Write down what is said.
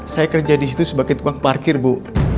saya kerja disitu sebagai tukang parkir bu